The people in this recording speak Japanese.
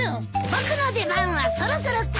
僕の出番はそろそろかい？